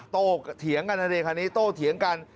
โตเถียงกันค่ะเลขานี้โตเถียงกัน